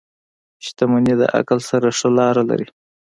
• شتمني د عقل سره ښه لاره لري.